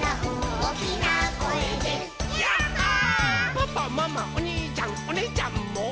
「パパママおにいちゃんおねぇちゃんも」